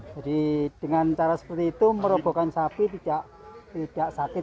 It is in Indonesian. jadi dengan cara seperti itu merobohkan sapi tidak sakit